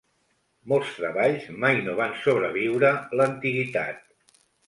Molts treballs mai no van sobreviure l'antiguitat.